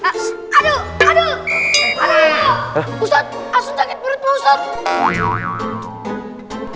pak ustadz asal sakit perut pak ustadz